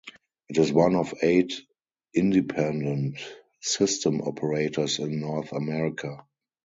It is one of eight Independent System Operators in North America.